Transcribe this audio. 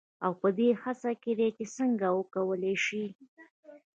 او پـه دې هـڅـه کې دي چـې څـنـګه وکـولـى شـي.